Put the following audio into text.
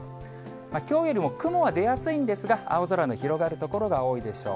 きょうよりも雲が出やすいんですが、青空の広がる所が多いでしょう。